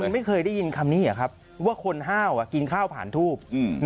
ไม่เคยได้ยินคำนี้เหรอครับว่าคนห้าวกินข้าวผ่านทูบ